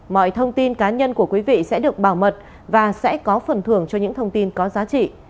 mọi thông tin cá nhân của quý vị sẽ được bảo mật và sẽ có phần thưởng cho những thông tin có giá trị